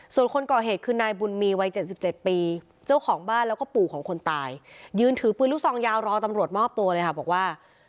ส่วนคนก่อเหตุคือนายบุญมีวัย๗๗ปีเจ้าของบ้านแล้วก็ปู่ของคนตายยืนถือปืนลูกซองยาวรอตำรวจมอบตัวเลยค่ะบอกว่า